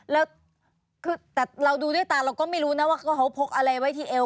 แล้วคือแต่เราดูด้วยตาเราก็ไม่รู้นะว่าเขาพกอะไรไว้ที่เอว